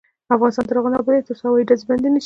افغانستان تر هغو نه ابادیږي، ترڅو هوایي ډزې بندې نشي.